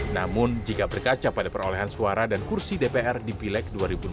namun jika berkaca pada perolehan suara dan kursi dpr di pileg dua ribu dua puluh